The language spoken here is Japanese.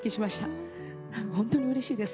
本当にうれしいです。